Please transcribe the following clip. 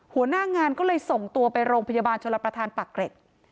หัวหน้างานก็เลยส่งตัวไปโรงพยาบาลชลประธานปากเกร็ด